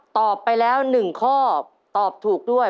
ตอบไปแล้ว๑ข้อตอบถูกด้วย